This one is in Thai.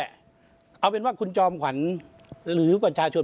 เอาเป็นว่าคุณจอมขวัญหรือประชาชน